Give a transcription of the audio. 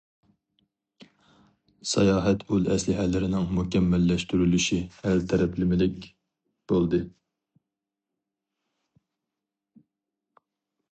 ساياھەت ئۇل ئەسلىھەلىرىنىڭ مۇكەممەللەشتۈرۈلۈشى ھەر تەرەپلىمىلىك بولدى.